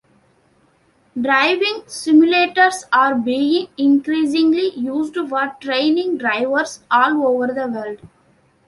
Driving simulators are being increasingly used for training drivers all over the world.